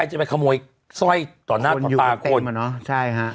ใครจะไปขโมยสร้อยต่อหน้าต่อตาคนคนอยู่เต็มอ่ะเนอะใช่ฮะ